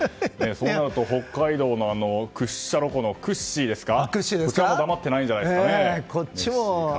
そうなると北海道の屈斜路湖のクッシーこちらが黙ってないんじゃないですかね。